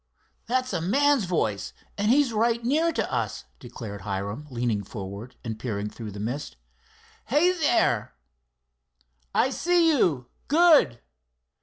"That's a man's voice, and he's right near to us," declared Hiram, leaning forward and peering through the mist. "Hey, there!" "I see you. Good!"